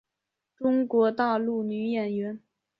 中国大陆女演员。